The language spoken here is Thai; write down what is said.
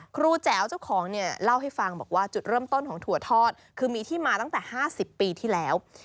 แจ๋วเจ้าของเนี่ยเล่าให้ฟังบอกว่าจุดเริ่มต้นของถั่วทอดคือมีที่มาตั้งแต่๕๐ปีที่แล้ว